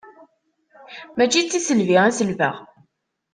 Mačči d tiselbi i selbeɣ.